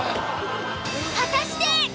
果たして！